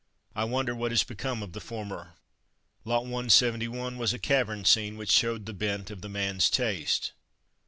I wonder what has become of the former. Lot 171 was a "cavern scene" which showed the bent of the man's taste.